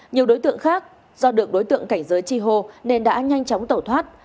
nhiều đối tượng khác do được đối tượng cảnh giới chi hô nên đã nhanh chóng tẩu thoát